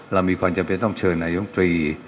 เรามีความจำเป็นต้องเชิญนายมตรี